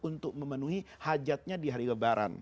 untuk memenuhi hajatnya di hari lebaran